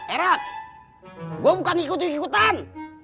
erat gue bukan ikut ikutan